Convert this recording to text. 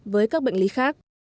với các bệnh lý khác